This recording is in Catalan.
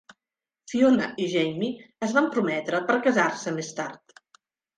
Fiona i Jamie es van prometre per casar-se més tard.